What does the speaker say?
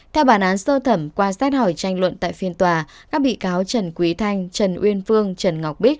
theo bản án sơ thẩm qua xét hỏi tranh luận tại phiên tòa các bị cáo trần quý thanh trần uyên phương trần ngọc bích